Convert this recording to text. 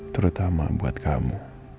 terutama buat kamu